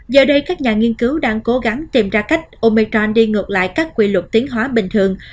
giờ đây các nhà nghiên cứu đang cố gắng tìm ra cách omechon đi ngược lại các quy luật tiến hóa bình thường